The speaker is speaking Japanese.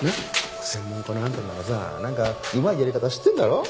専門家のあんたならさなんかうまいやり方知ってるんだろ？